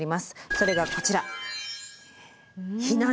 それがこちら。